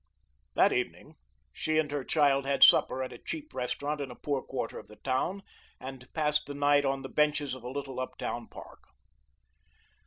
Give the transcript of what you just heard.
That evening, she and her child had supper at a cheap restaurant in a poor quarter of the town, and passed the night on the benches of a little uptown park.